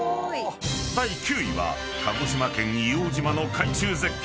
［第９位は鹿児島県硫黄島の海中絶景